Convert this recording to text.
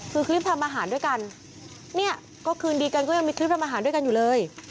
คือคลิปทำอาหารด้วยกันเนี่ยก็คืนดีกันก็ยังมีคลิปทำอาหารด้วยกันอยู่เลย